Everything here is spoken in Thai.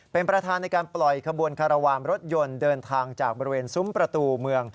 เป็นประธานในการปล่อยขบวนคารวามรถยนต์เดินทางจากบริเวณซุ้มประตูเมือง